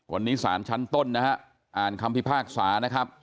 วันนี้ศาลชั้นต้นนะฮะอ่านคำพิพากษานะครับ